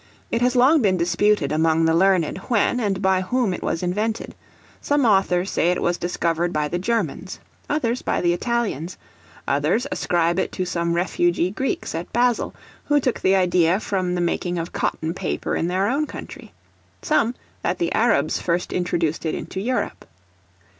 It has long been disputed among the learned when, and by whom, it was invented; some authors say it was discovered by the Germans, others by the Italians; others ascribe it to some refugee Greeks at Basil, who took the idea from the making of cotton paper in their own country; some, that the Arabs first introduced it into Europe.